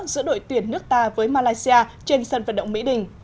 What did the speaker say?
giữa đội tuyển nước ta với malaysia trên sân vận động mỹ đình